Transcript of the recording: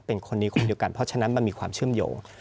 เป็นคนนี้คนเดียวกันเพราะฉะนั้นมันมีความเชื่อมโยง